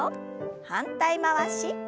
反対回し。